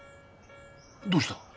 どうした？